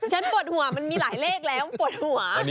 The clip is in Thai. ปวดหัวมันมีหลายเลขแล้วปวดหัว